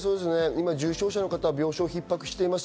今、重症者の方、病床が逼迫しています。